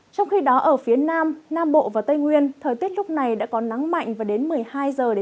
trong khi đó ở phía nam nam bộ và tây nguyên thời tiết lúc này đã có nắng mạnh và đến một mươi hai h một mươi năm h